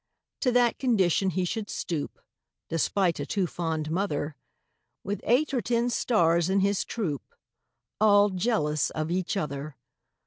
To that condition he should stoop (Despite a too fond mother), With eight or ten "stars" in his troupe, All jealous of each other!